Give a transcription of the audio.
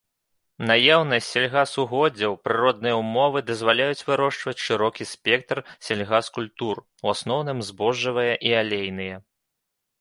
Наяўнасць сельгасугоддзяў, прыродныя ўмовы дазваляюць вырошчваць шырокі спектр сельгаскультур, у асноўным збожжавыя і алейныя.